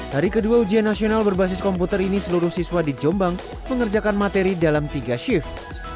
hari kedua ujian nasional berbasis komputer ini seluruh siswa di jombang mengerjakan materi dalam tiga shift